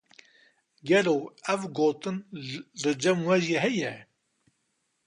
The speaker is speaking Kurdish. Gelo ev gotin li cem we jî heye?